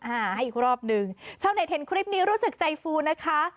อ่าให้อีกรอบหนึ่งชาวเน็ตเห็นคลิปนี้รู้สึกใจฟูนะคะ